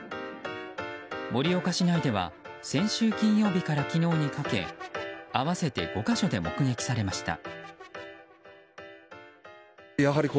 盛岡市内では先週金曜日から昨日にかけ合わせて５か所で目撃されました。